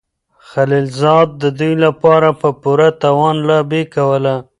خلیلزاد د دوی لپاره په پوره توان لابي کوله.